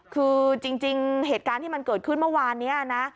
คือจริงเหตุการณ์ที่มันเกิดขึ้นเมื่อวานนี้นะ